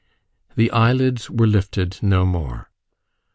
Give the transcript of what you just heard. The eyelids were lifted no more.